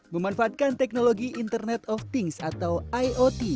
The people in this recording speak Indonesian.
memanfaatkan teknologi internet of things atau iot